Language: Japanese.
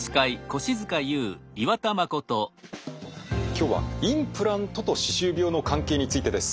今日はインプラントと歯周病の関係についてです。